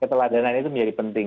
keteladanan itu menjadi penting